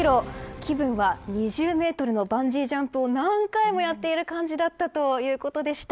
気分は２０メートルのバンジージャンプを何回もやっている感じだったということでした。